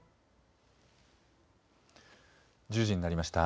１０時になりました。